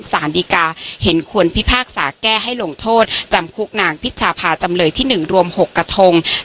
สารดีกาเห็นควรพิพากษาแก้ให้ลงโทษจำคุกนางพิชภาจำเลยที่๑รวม๖กระทง